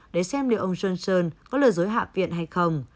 để xem liệu ông johnson có lời dối hạ viện hay không